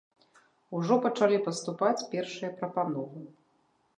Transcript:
Ужо пачалі паступаць першыя прапановы.